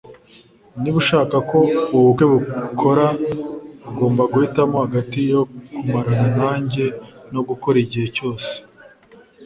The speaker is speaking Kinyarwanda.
Niba ushaka ko ubu bukwe bukora ugomba guhitamo hagati yo kumarana nanjye no gukora igihe cyose